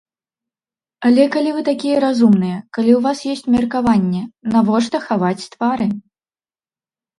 Але калі вы такія разумныя, калі ў вас ёсць меркаванне, навошта хаваць твары?